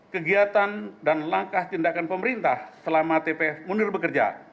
kegiatan dan langkah tindakan pemerintah selama tpf munir bekerja